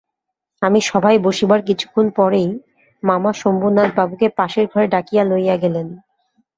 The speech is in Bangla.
আমি সভায় বসিবার কিছুক্ষণ পরেই মামা শম্ভুনাথবাবুকে পাশের ঘরে ডাকিয়া লইয়া গেলেন।